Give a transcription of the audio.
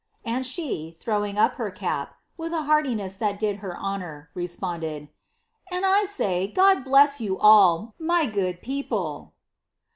and she. throwing up her cap, with a heartiness that did her honon responded, "And I say, God bless yon all, my good people!"